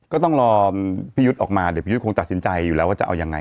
ก็ต้องรอพี่ยุทธ์ออกมาเดี๋ยวพี่ยุทธคงตัดสินใจอยู่แล้วว่าจะเอายังไง